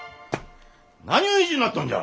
何ゅう意地になっとんじゃ。